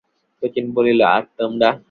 শচীশ বলিল, আর তোমরা?